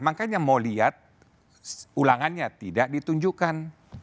makanya mau lihat ulangannya tidak ditunjukkan